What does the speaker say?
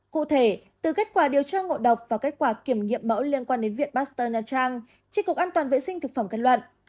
cụ thể từ kết quả điều tra ngộ độc và kết quả kiểm nghiệm mẫu liên quan đến viện pasteur nha trang tri cục an toàn vệ sinh thực phẩm kết luận